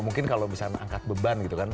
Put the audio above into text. mungkin kalau misalnya angkat beban gitu kan